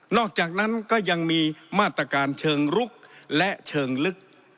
อกจากนั้นก็ยังมีมาตรการเชิงลุกและเชิงลึก